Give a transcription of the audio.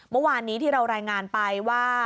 เมื่อวานนี้ที่เรารายงานไปว่า